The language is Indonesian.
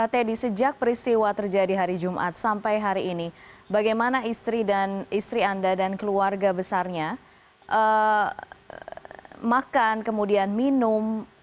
teddy sejak peristiwa terjadi hari jumat sampai hari ini bagaimana istri dan istri anda dan keluarga besarnya makan kemudian minum